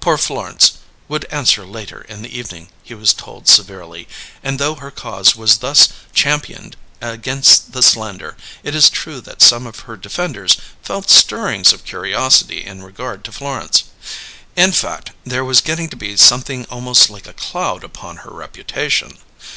Poor Florence would answer later in the evening, he was told severely; and though her cause was thus championed against the slander, it is true that some of her defenders felt stirrings of curiosity in regard to Florence. In fact, there was getting to be something almost like a cloud upon her reputation.